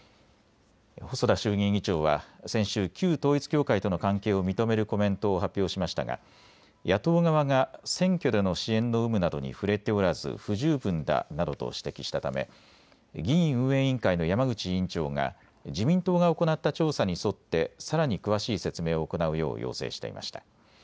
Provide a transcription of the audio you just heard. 細田衆議院議長は先週、旧統一教会との関係を認めるコメントを発表しましたが野党側が選挙での支援の有無などに触れておらず不十分だなどと指摘したため議院運営委員会の山口委員長が自民党が行った調査に沿ってさらに詳しい説明を行うよう要請していました。